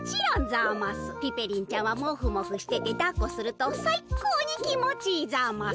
ピペリンちゃんはもふもふしててだっこするとさいこうにきもちいいざます。